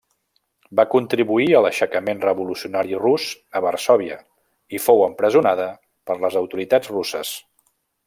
Va contribuir a l'aixecament revolucionari rus a Varsòvia, i fou empresonada per les autoritats russes.